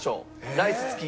ライス付き。